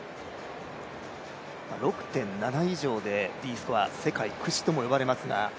６．７以上で、Ｄスコア世界屈指ともいわれますが。